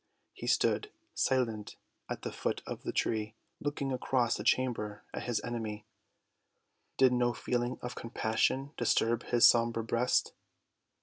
He stood silent at the foot of the tree looking across the chamber at his enemy. Did no feeling of compassion disturb his sombre breast?